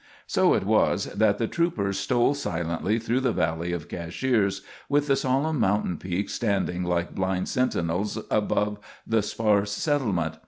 So it was that the troopers stole silently through the valley of Cashiers, with the solemn mountain peaks standing like blind sentinels above the sparse settlement.